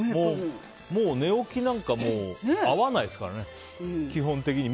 もう寝起きなんか会わないですからね、基本的に。